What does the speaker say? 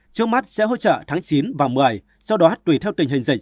trước mắt sẽ hỗ trợ tháng chín và một mươi sau đó tùy theo tình hình dịch